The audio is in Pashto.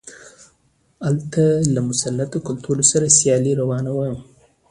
هلته له مسلط کلتور سره سیالي روانه وه.